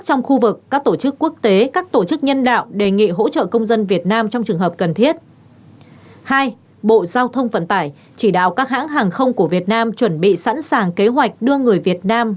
hai bộ giao thông vận tải chỉ đạo các hãng hàng không của việt nam chuẩn bị sẵn sàng kế hoạch đưa người việt nam